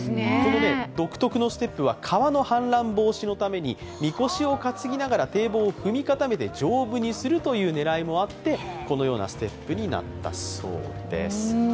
独特のステップは川の氾濫防止のために神輿を担ぎながら堤防を踏み固めて丈夫にするという狙いもあって、このようなステップになったそうです。